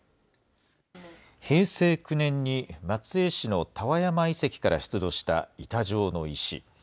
平成９年に松江市の田和山遺跡から出土した板状の石。